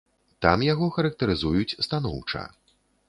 Там яго характарызуюць станоўча.